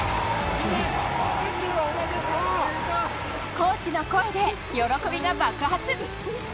コーチの声で喜びが爆発。